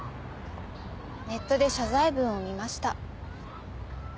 ネットで謝罪文を見ました。